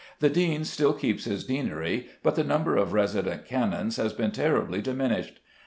The dean still keeps his deanery, but the number of resident canons has been terribly diminished.